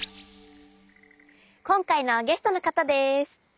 今回のゲストの方です。